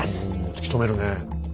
突き止めるねえ。